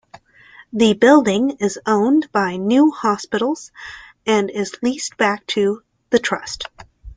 The building is owned by New Hospitals and is leased back to the trust.